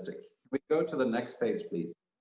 kita kembali ke panggilan selanjutnya silakan